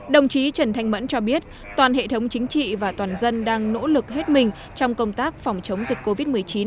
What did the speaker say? đồng chí trần thanh mẫn cho biết toàn hệ thống chính trị và toàn dân đang nỗ lực hết mình trong công tác phòng chống dịch covid một mươi chín